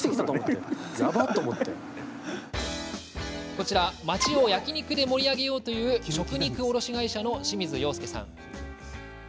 こちら町を焼肉で盛り上げようという食肉卸会社の清水洋介さん。